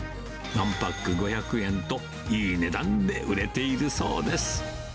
１パック５００円と、いい値段で売れているそうです。